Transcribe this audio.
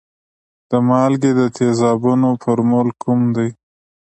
د مالګې د تیزابونو فورمول کوم دی؟